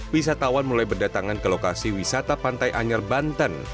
wisatawan mulai berdatangan ke lokasi wisata pantai anyer banten